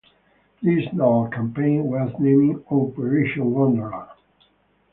This naval campaign was named "Operation Wunderland".